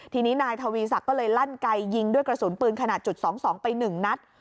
ทีนี้นายทวีสักก็เลยลั่นไกยยิงด้วยกระสุนปืนขนาดจุดสองสองไปหนึ่งนัด